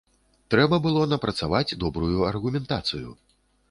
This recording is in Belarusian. Трэба было напрацаваць добрую аргументацыю.